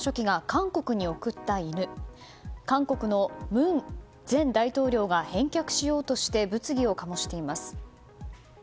韓国の文前大統領が返却しようとして物議を醸しています。